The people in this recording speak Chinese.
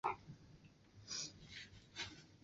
周天子的权威已扫地殆尽了。